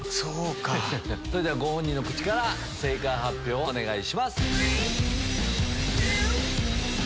それではご本人の口から正解発表をお願いします。